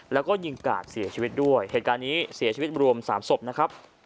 แล้วก็ยิงกาดเสียชีวิตด้วยเหตุการณ์นี้เสียชีวิตรวมสามศพนะครับ